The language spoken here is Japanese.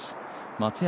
松山